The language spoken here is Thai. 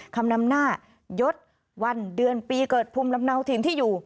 คำนำหน้ายดวันเดือนปีเกิดภูมิลำเนาถิ่นที่อยู่